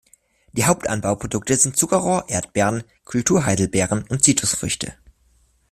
Die Hauptanbauprodukte sind Zuckerrohr, Erdbeeren, Kulturheidelbeeren und Zitrusfrüchte.